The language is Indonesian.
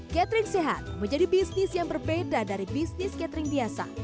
catering sehat menjadi bisnis yang berbeda dari bisnis catering biasa